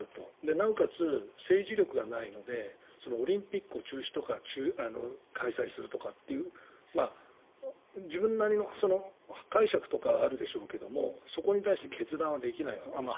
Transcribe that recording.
なおかつ政治力がないのでオリンピックを中止とか開催するという自分なりの解釈とかはあるでしょうけどそこに対して決断はできない。